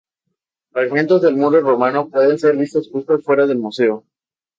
Fragmentos del muro romano pueden ser vistos justo afuera del museo.